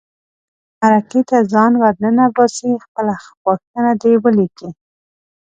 مرکې ته ځان ور ننباسي خپله غوښتنه دې ولیکي.